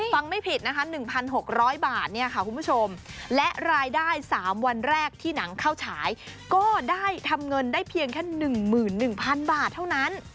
ไม่ผิดนะคะ๑๖๐๐บาทเนี่ยค่ะคุณผู้ชมและรายได้๓วันแรกที่หนังเข้าฉายก็ได้ทำเงินได้เพียงแค่๑๑๐๐๐บาทเท่านั้น